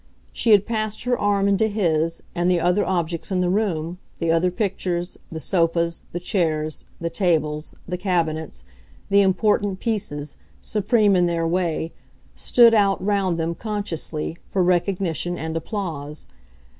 She had passed her arm into his, and the other objects in the room, the other pictures, the sofas, the chairs, the tables, the cabinets, the "important" pieces, supreme in their way, stood out, round them, consciously, for recognition and applause.